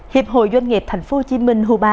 hiệp hội doanh nghiệp thành phố hồ chí minh